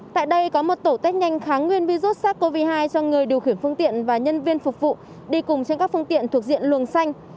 tại đây có một tổ test nhanh kháng nguyên virus sars cov hai cho người điều khiển phương tiện và nhân viên phục vụ đi cùng trên các phương tiện thuộc diện luồng xanh